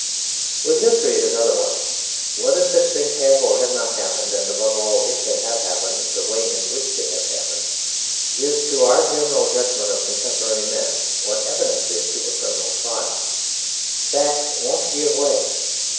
With history it is otherwise. Whether such things have or have not happened, and, above all, if they have happened, the way in which they have happened, is to our general judgment of contemporary men what evidence is to a criminal trial. Facts won't give way.